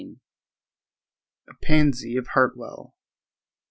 A PANSY OF HARTWELL.